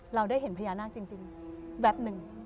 เราได้เห็นพญานาคจริงแวบหนึ่ง